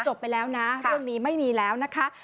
ไปแล้วนะเรื่องนี้ไม่มีแล้วนะคะ